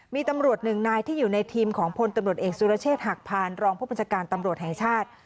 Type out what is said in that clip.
มีตำรวจหนึ่งนายที่อยู่ในทีมของพลตำรวจเอกสุรเชษฐหักพานรองผู้บัญชาการตำรวจแห่งชาติ